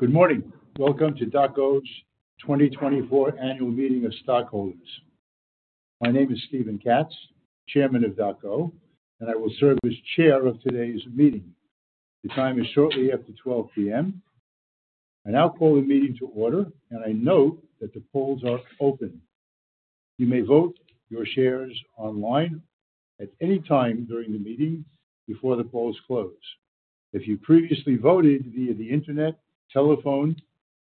Good morning. Welcome to DocGo's 2024 Annual Meeting of Stockholders. My name is Steven Katz, Chairman of DocGo, and I will serve as Chair of today's meeting. The time is shortly after 12 P.M. I now call the meeting to order, and I note that the polls are open. You may vote your shares online at any time during the meeting before the polls close. If you previously voted via the Internet, telephone,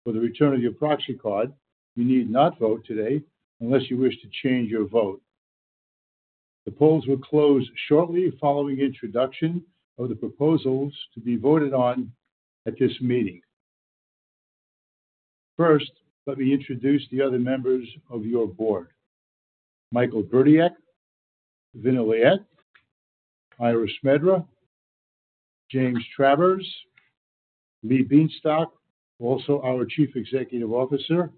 or the return of your proxy card, you need not vote today unless you wish to change your vote. The polls will close shortly following introduction of the proposals to be voted on at this meeting. First, let me introduce the other members of your board: Michael Burdiek, Vina Leite, Ira Smedra, James Travers, Lee Bienstock, also our Chief Executive Officer,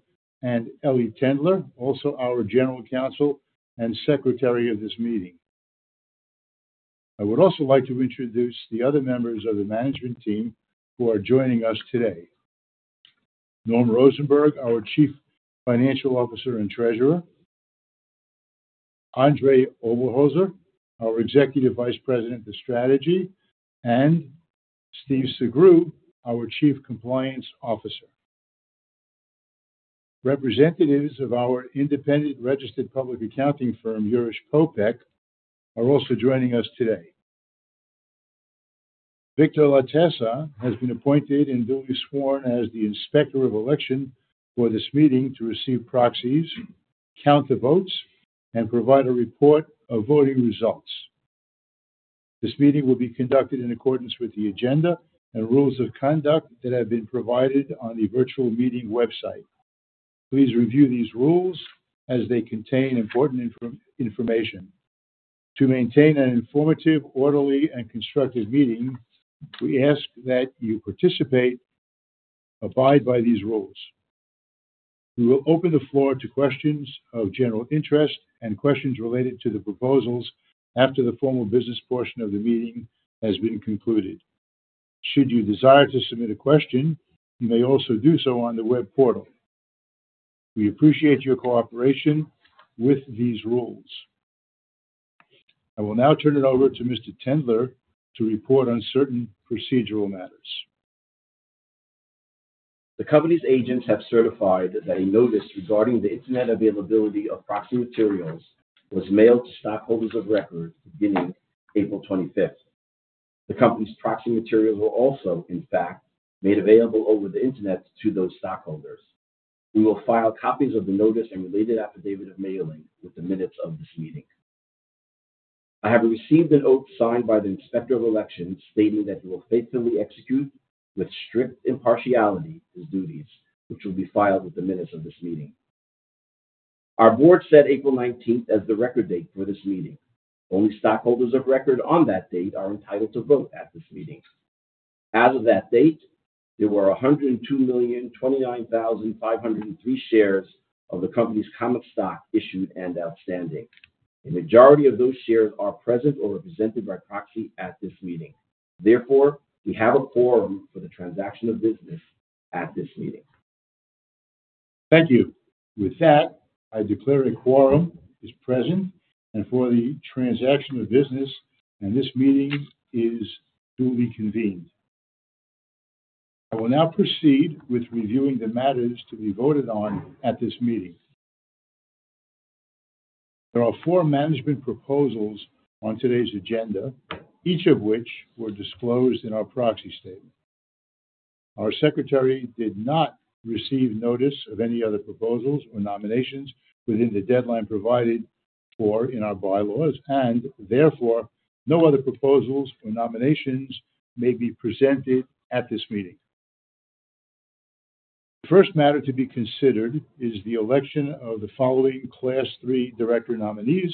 and Ely Tendler, also our General Counsel and Secretary of this meeting. I would also like to introduce the other members of the management team who are joining us today. Norm Rosenberg, our Chief Financial Officer and Treasurer, Andre Oberholzer, our Executive Vice President for Strategy, and Stephen Sugrue, our Chief Compliance Officer. Representatives of our independent registered public accounting firm, Urish Popeck, are also joining us today. Victor Latessa has been appointed and duly sworn as the Inspector of Election for this meeting to receive proxies, count the votes, and provide a report of voting results. This meeting will be conducted in accordance with the agenda and rules of conduct that have been provided on the virtual meeting website. Please review these rules as they contain important information. To maintain an informative, orderly, and constructive meeting, we ask that you participate, abide by these rules. We will open the floor to questions of general interest and questions related to the proposals after the formal business portion of the meeting has been concluded. Should you desire to submit a question, you may also do so on the web portal. We appreciate your cooperation with these rules. I will now turn it over to Mr. Tendler to report on certain procedural matters. The company's agents have certified that a notice regarding the internet availability of proxy materials was mailed to stockholders of record beginning April 25. The company's proxy materials were also, in fact, made available over the internet to those stockholders. We will file copies of the notice and related affidavit of mailing with the minutes of this meeting. I have received an oath signed by the Inspector of Election, stating that he will faithfully execute with strict impartiality, his duties, which will be filed with the minutes of this meeting. Our board set April 19 as the record date for this meeting. Only stockholders of record on that date are entitled to vote at this meeting. As of that date, there were 102,029,503 shares of the company's common stock issued and outstanding. A majority of those shares are present or represented by proxy at this meeting. Therefore, we have a quorum for the transaction of business at this meeting. Thank you. With that, I declare a quorum is present and for the transaction of business, and this meeting is duly convened. I will now proceed with reviewing the matters to be voted on at this meeting. There are four management proposals on today's agenda, each of which were disclosed in our Proxy Statement. Our secretary did not receive notice of any other proposals or nominations within the deadline provided for in our bylaws, and therefore, no other proposals or nominations may be presented at this meeting. First matter to be considered is the election of the following Class III director nominees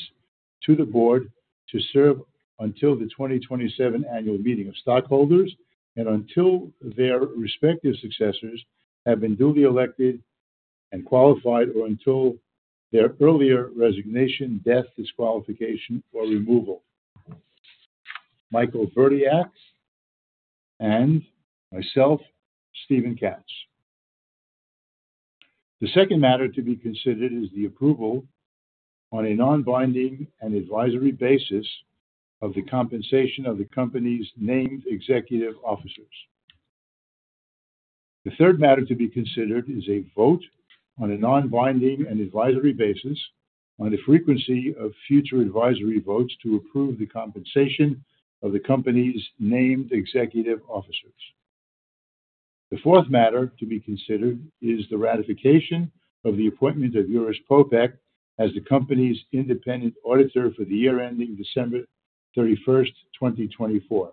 to the board to serve until the 2027 annual meeting of stockholders and until their respective successors have been duly elected and qualified, or until their earlier resignation, death, disqualification, or removal. Michael Burdiek and myself, Steven Katz. The second matter to be considered is the approval on a non-binding and advisory basis of the compensation of the company's named executive officers. The third matter to be considered is a vote on a non-binding and advisory basis on the frequency of future advisory votes to approve the compensation of the company's named executive officers. The fourth matter to be considered is the ratification of the appointment of Urish Popeck as the company's independent auditor for the year ending December 31st, 2024.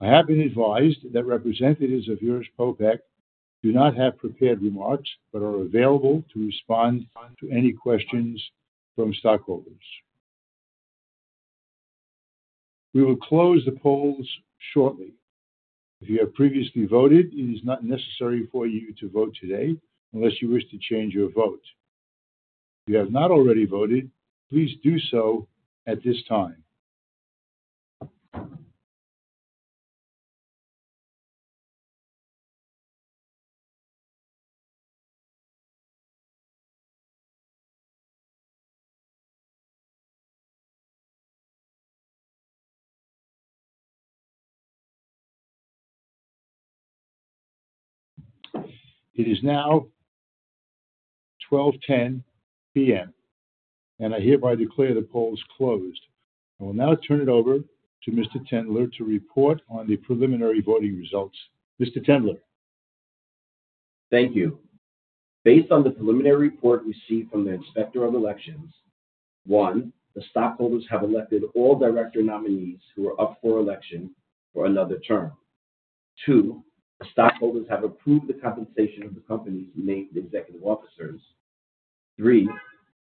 I have been advised that representatives of Urish Popeck do not have prepared remarks, but are available to respond to any questions from stockholders. We will close the polls shortly. If you have previously voted, it is not necessary for you to vote today unless you wish to change your vote. If you have not already voted, please do so at this time.... It is now 12:10 P.M., and I hereby declare the poll is closed. I will now turn it over to Mr. Tendler to report on the preliminary voting results. Mr. Tendler? Thank you. Based on the preliminary report received from the Inspector of Elections, 1, the stockholders have elected all director nominees who are up for election for another term. 2, the stockholders have approved the compensation of the company's named executive officers. 3,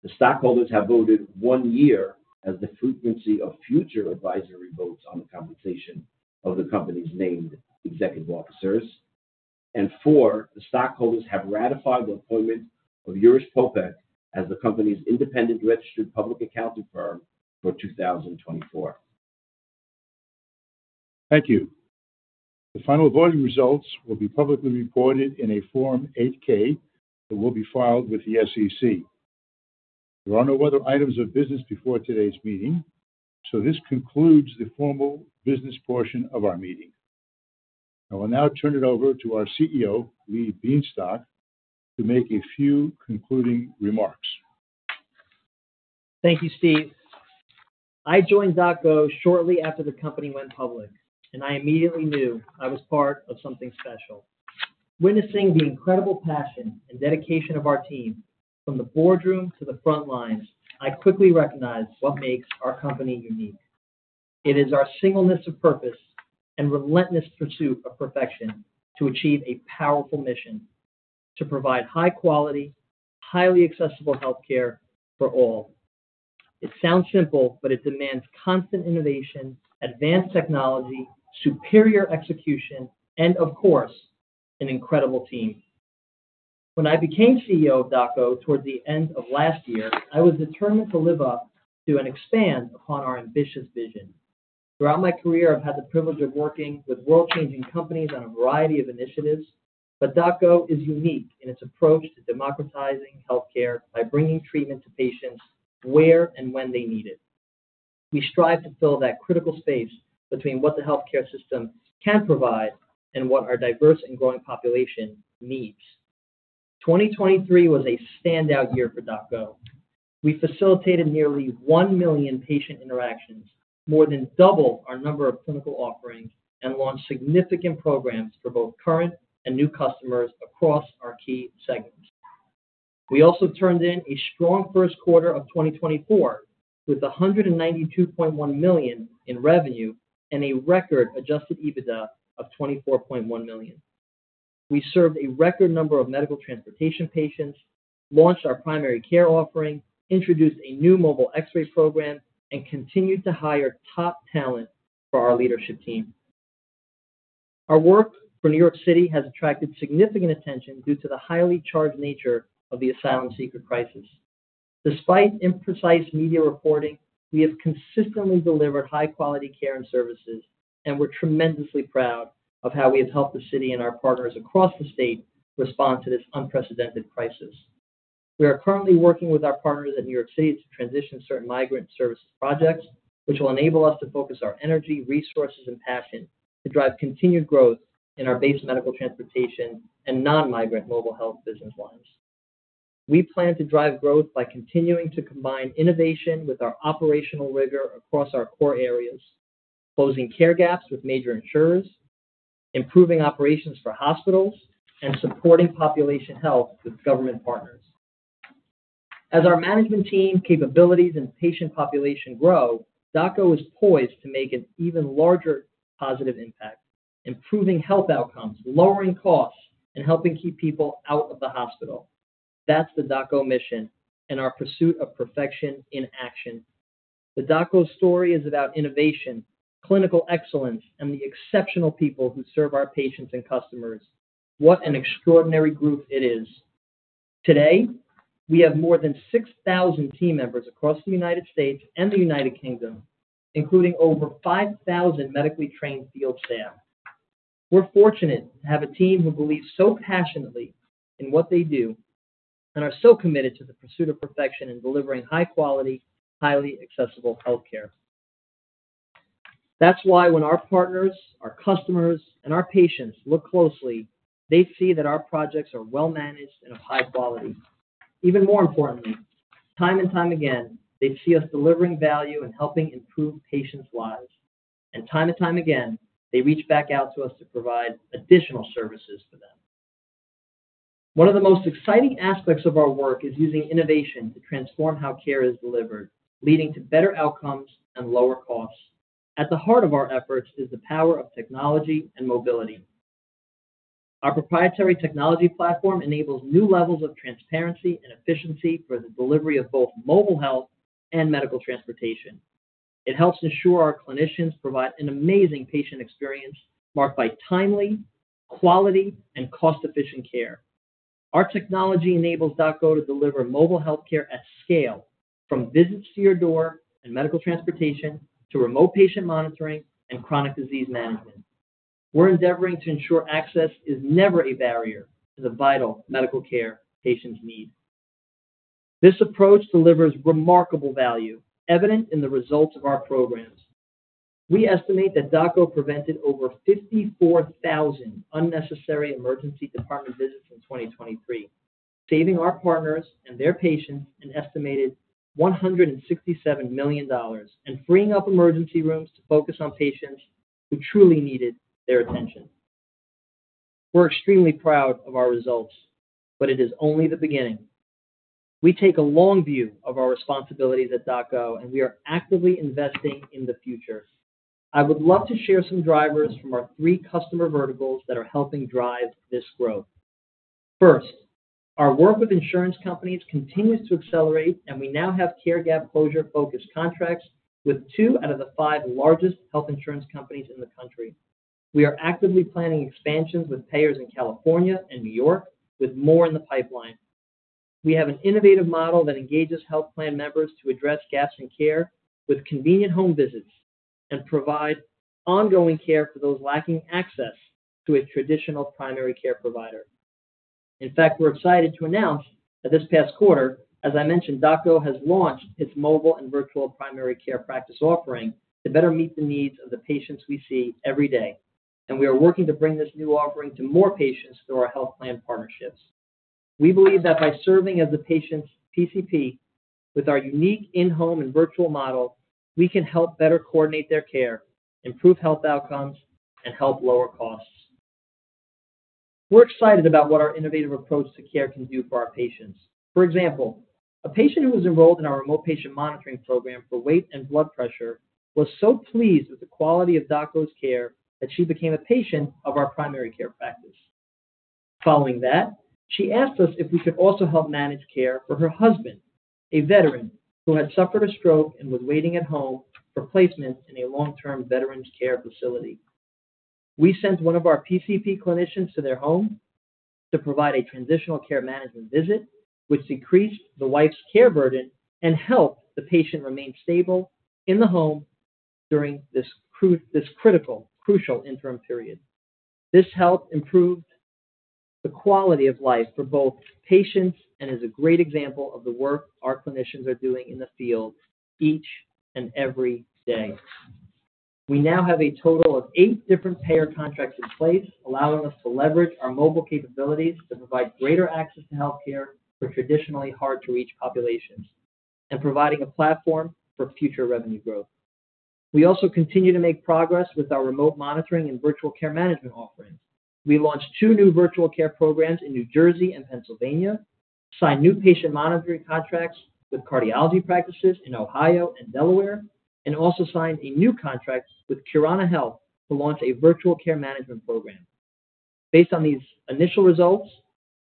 the stockholders have voted 1 year as the frequency of future advisory votes on the compensation of the company's named executive officers. And 4, the stockholders have ratified the appointment of Urish Popeck as the company's independent registered public accounting firm for 2024. Thank you. The final voting results will be publicly reported in a Form 8-K that will be filed with the SEC. There are no other items of business before today's meeting, so this concludes the formal business portion of our meeting. I will now turn it over to our CEO, Lee Bienstock, to make a few concluding remarks. Thank you, Steven. I joined DocGo shortly after the company went public, and I immediately knew I was part of something special. Witnessing the incredible passion and dedication of our team, from the boardroom to the front lines, I quickly recognized what makes our company unique. It is our singleness of purpose and relentless pursuit of perfection to achieve a powerful mission: to provide high quality, highly accessible healthcare for all. It sounds simple, but it demands constant innovation, advanced technology, superior execution, and of course, an incredible team. When I became CEO of DocGo towards the end of last year, I was determined to live up to and expand upon our ambitious vision. Throughout my career, I've had the privilege of working with world-changing companies on a variety of initiatives, but DocGo is unique in its approach to democratizing healthcare by bringing treatment to patients where and when they need it. We strive to fill that critical space between what the healthcare system can provide and what our diverse and growing population needs. 2023 was a standout year for DocGo. We facilitated nearly 1 million patient interactions, more than double our number of clinical offerings, and launched significant programs for both current and new customers across our key segments. We also turned in a strong first quarter of 2024, with $192.1 million in revenue and a record Adjusted EBITDA of $24.1 million. We served a record number of medical transportation patients, launched our primary care offering, introduced a new mobile X-ray program, and continued to hire top talent for our leadership team. Our work for New York City has attracted significant attention due to the highly charged nature of the asylum seeker crisis. Despite imprecise media reporting, we have consistently delivered high-quality care and services, and we're tremendously proud of how we have helped the city and our partners across the state respond to this unprecedented crisis. We are currently working with our partners in New York City to transition certain migrant services projects, which will enable us to focus our energy, resources, and passion to drive continued growth in our base medical transportation and non-migrant mobile health business lines. We plan to drive growth by continuing to combine innovation with our operational rigor across our core areas, closing care gaps with major insurers, improving operations for hospitals, and supporting population health with government partners. As our management team capabilities and patient population grow, DocGo is poised to make an even larger positive impact, improving health outcomes, lowering costs, and helping keep people out of the hospital. That's the DocGo mission and our pursuit of perfection in action. The DocGo story is about innovation, clinical excellence, and the exceptional people who serve our patients and customers. What an extraordinary group it is! Today, we have more than 6,000 team members across the U.S. and the U.K., including over 5,000 medically trained field staff. We're fortunate to have a team who believes so passionately in what they do and are so committed to the pursuit of perfection in delivering high quality, highly accessible healthcare. That's why when our partners, our customers, and our patients look closely, they see that our projects are well managed and of high quality. Even more importantly, time and time again, they see us delivering value and helping improve patients' lives. And time and time again, they reach back out to us to provide additional services for them. One of the most exciting aspects of our work is using innovation to transform how care is delivered, leading to better outcomes and lower costs. At the heart of our efforts is the power of technology and mobility. Our proprietary technology platform enables new levels of transparency and efficiency for the delivery of both mobile health and medical transportation. It helps ensure our clinicians provide an amazing patient experience marked by timely, quality, and cost-efficient care... Our technology enables DocGo to deliver mobile healthcare at scale, from visits to your door and medical transportation, to remote patient monitoring and chronic disease management. We're endeavoring to ensure access is never a barrier to the vital medical care patients need. This approach delivers remarkable value, evident in the results of our programs. We estimate that DocGo prevented over 54,000 unnecessary emergency department visits in 2023, saving our partners and their patients an estimated $167 million, and freeing up emergency rooms to focus on patients who truly needed their attention. We're extremely proud of our results, but it is only the beginning. We take a long view of our responsibilities at DocGo, and we are actively investing in the future. I would love to share some drivers from our three customer verticals that are helping drive this growth. First, our work with insurance companies continues to accelerate, and we now have care gap closure-focused contracts with two out of the five largest health insurance companies in the country. We are actively planning expansions with payers in California and New York, with more in the pipeline. We have an innovative model that engages health plan members to address gaps in care with convenient home visits, and provide ongoing care for those lacking access to a traditional primary care provider. In fact, we're excited to announce that this past quarter, as I mentioned, DocGo has launched its mobile and virtual primary care practice offering to better meet the needs of the patients we see every day, and we are working to bring this new offering to more patients through our health plan partnerships. We believe that by serving as a patient's PCP with our unique in-home and virtual model, we can help better coordinate their care, improve health outcomes, and help lower costs. We're excited about what our innovative approach to care can do for our patients. For example, a patient who was enrolled in our remote patient monitoring program for weight and blood pressure was so pleased with the quality of DocGo's care, that she became a patient of our primary care practice. Following that, she asked us if we could also help manage care for her husband, a veteran, who had suffered a stroke and was waiting at home for placement in a long-term veterans care facility. We sent one of our PCP clinicians to their home to provide a transitional care management visit, which decreased the wife's care burden and helped the patient remain stable in the home during this critical, crucial interim period. This helped improve the quality of life for both patients and is a great example of the work our clinicians are doing in the field each and every day. We now have a total of 8 different payer contracts in place, allowing us to leverage our mobile capabilities to provide greater access to healthcare for traditionally hard-to-reach populations, and providing a platform for future revenue growth. We also continue to make progress with our remote monitoring and virtual care management offerings. We launched two new virtual care programs in New Jersey and Pennsylvania, signed new patient monitoring contracts with cardiology practices in Ohio and Delaware, and also signed a new contract with Curana Health to launch a virtual care management program. Based on these initial results,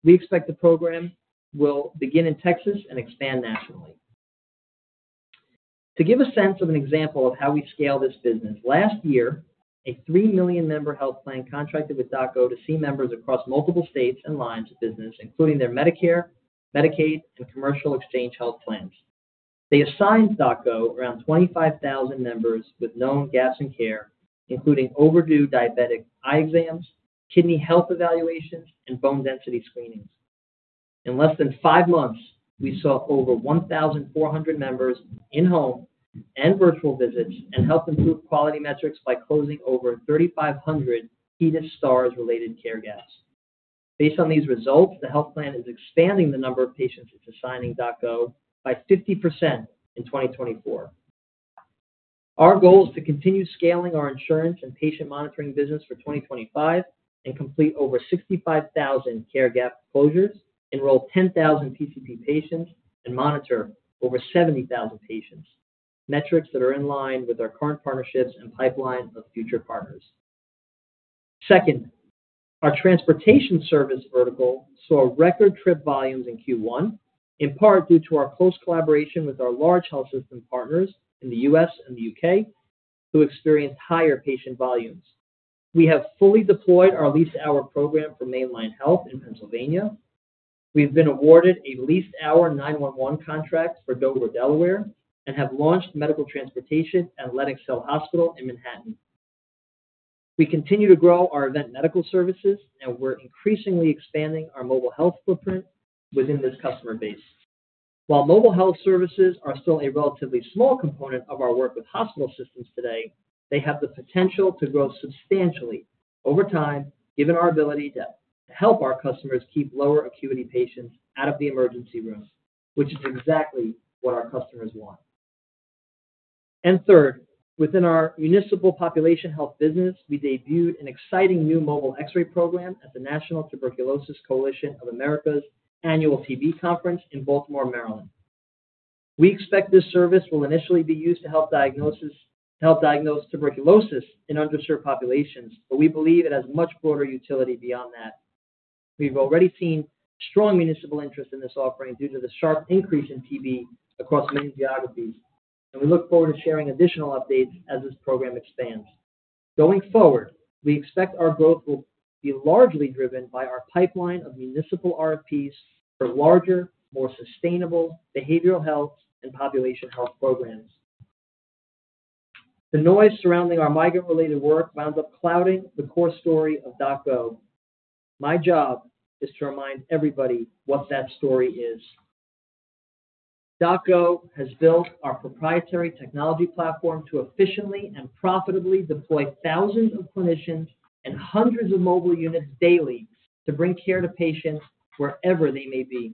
we expect the program will begin in Texas and expand nationally. To give a sense of an example of how we scale this business, last year, a 3 million member health plan contracted with DocGo to see members across multiple states and lines of business, including their Medicare, Medicaid, and commercial exchange health plans. They assigned DocGo around 25,000 members with known gaps in care, including overdue diabetic eye exams, kidney health evaluations, and bone density screenings. In less than five months, we saw over 1,400 members in-home and virtual visits, and helped improve quality metrics by closing over 3,500 HEDIS Stars-related care gaps. Based on these results, the health plan is expanding the number of patients it's assigning DocGo by 50% in 2024. Our goal is to continue scaling our insurance and patient monitoring business for 2025 and complete over 65,000 care gap closures, enroll 10,000 PCP patients, and monitor over 70,000 patients, metrics that are in line with our current partnerships and pipeline of future partners. Second, our transportation service vertical saw record trip volumes in Q1, in part due to our close collaboration with our large health system partners in the U.S. and the U.K., who experienced higher patient volumes. We have fully deployed our leased hour program for Main Line Health in Pennsylvania. We've been awarded a leased hour 911 contract for Dover, Delaware, and have launched medical transportation at Lenox Hill Hospital in Manhattan. We continue to grow our event medical services, and we're increasingly expanding our mobile health footprint within this customer base. While mobile health services are still a relatively small component of our work with hospital systems today, they have the potential to grow substantially over time, given our ability to help our customers keep lower acuity patients out of the emergency room, which is exactly what our customers want. And third, within our municipal population health business, we debuted an exciting new mobile X-ray program at the National Tuberculosis Coalition of America's annual TB conference in Baltimore, Maryland. We expect this service will initially be used to help diagnose tuberculosis in underserved populations, but we believe it has much broader utility beyond that. We've already seen strong municipal interest in this offering due to the sharp increase in TB across many geographies, and we look forward to sharing additional updates as this program expands. Going forward, we expect our growth will be largely driven by our pipeline of municipal RFPs for larger, more sustainable behavioral health and population health programs. The noise surrounding our migrant-related work winds up clouding the core story of DocGo. My job is to remind everybody what that story is. DocGo has built our proprietary technology platform to efficiently and profitably deploy thousands of clinicians and hundreds of mobile units daily to bring care to patients wherever they may be.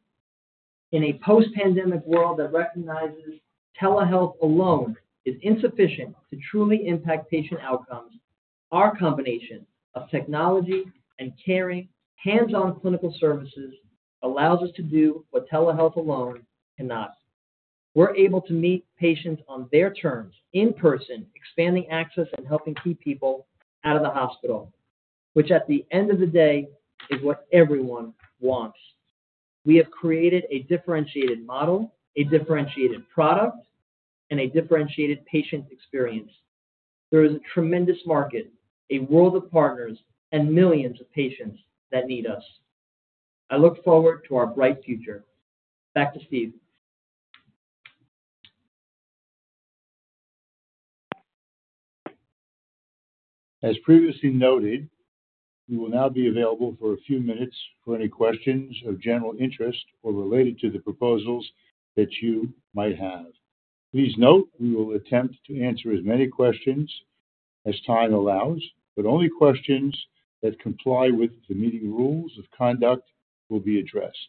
In a post-pandemic world that recognizes telehealth alone is insufficient to truly impact patient outcomes, our combination of technology and caring, hands-on clinical services allows us to do what telehealth alone cannot. We're able to meet patients on their terms, in person, expanding access and helping keep people out of the hospital, which at the end of the day, is what everyone wants. We have created a differentiated model, a differentiated product, and a differentiated patient experience. There is a tremendous market, a world of partners, and millions of patients that need us. I look forward to our bright future. Back to Steven. As previously noted, we will now be available for a few minutes for any questions of general interest or related to the proposals that you might have. Please note, we will attempt to answer as many questions as time allows, but only questions that comply with the meeting rules of conduct will be addressed.